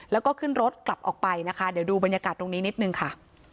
แล้วก็ขึ้นรถกลับออกไปนะคะเดี๋ยวดูบรรยากาศตรงนี้นิดนึงค่ะ